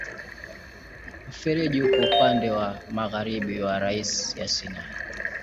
Mfereji uko upande wa magharibi wa rasi ya Sinai.